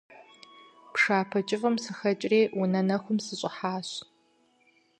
Пшапэ кӀыфӀым сыхэкӀри унэ нэхум сыщӀыхьащ.